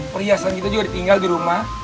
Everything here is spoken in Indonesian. perhiasan kita juga ditinggal di rumah